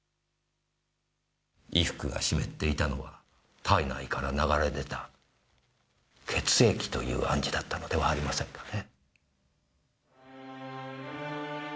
衣服が湿っていたのは体内から流れ出た血液という暗示だったのではありませんかね？